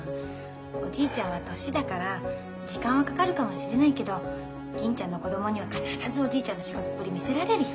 おじいちゃんは年だから時間はかかるかもしれないけど銀ちゃんの子供には必ずおじいちゃんの仕事っぷり見せられるよ。